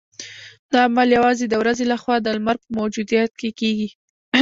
دا عمل یوازې د ورځې لخوا د لمر په موجودیت کې کیږي